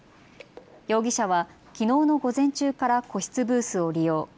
容疑者はきのうの午前中から個室ブースを利用。